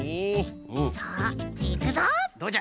さあいくぞポン！